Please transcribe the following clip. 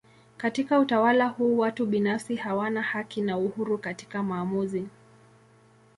Katika utawala huu watu binafsi hawana haki na uhuru katika maamuzi.